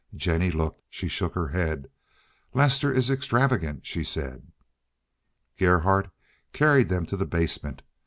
Jennie looked. She shook her head. "Lester is extravagant," she said. Gerhardt carried them to the basement.